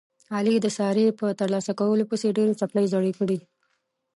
علي د سارې په ترلاسه کولو پسې ډېرې څپلۍ زړې کړلې.